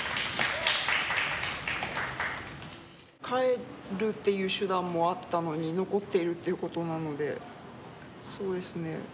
帰るっていう手段もあったのに残ってるっていうことなのでそうですね